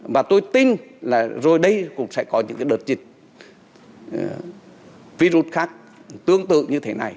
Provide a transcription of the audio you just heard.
và tôi tin là rồi đây cũng sẽ có những đợt dịch virus khác tương tự như thế này